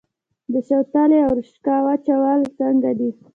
د شوتلې او رشقه وچول څنګه دي؟